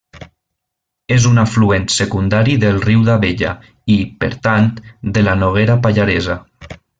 És un afluent secundari del riu d'Abella i, per tant, de la Noguera Pallaresa.